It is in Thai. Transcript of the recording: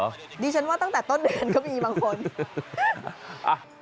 ดิฉันว่าตั้งแต่ต้นเดือนก็มีบางคน